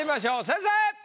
先生！